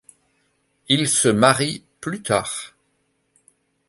Ils se marient plus tard.